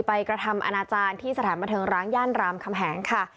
กระทำอนาจารย์ที่สถานบันเทิงร้างย่านรามคำแหงค่ะ